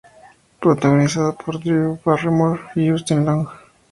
Protagonizada por Drew Barrymore y Justin Long.